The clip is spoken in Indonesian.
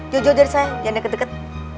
jauh jauh dari saya jangan deket deket